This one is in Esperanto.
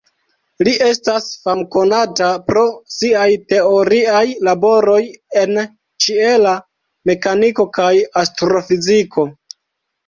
Li estas famkonata pro siaj teoriaj laboroj en ĉiela mekaniko kaj astrofiziko.